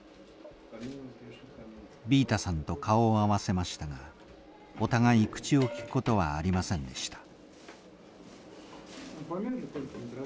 ビータさんと顔を合わせましたがお互い口をきくことはありませんでした。